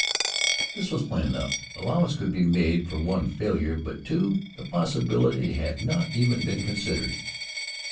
This was plain enough. Allowance could be made for one failure, but two the possibility had not even been considered.